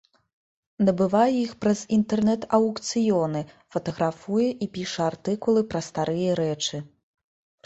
Набывае іх праз інтэрнэт-аўкцыёны, фатаграфуе і піша артыкулы пра старыя рэчы.